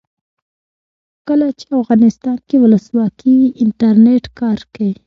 کله چې افغانستان کې ولسواکي وي انټرنیټ کار کوي.